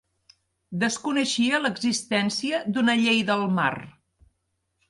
Desconeixia l'existència d'una Llei del Mar.